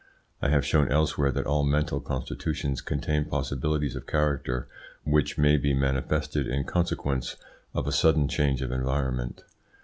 I have shown elsewhere that all mental constitutions contain possibilities of character which may be manifested in consequence of a sudden change of environment.